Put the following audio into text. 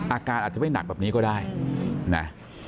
อาการอาจจะไม่หนักแบบนี้ก็ได้นะ